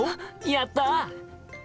やった！